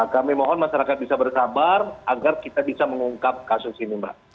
kami mohon masyarakat bisa bersabar agar kita bisa mengungkap kasus ini mbak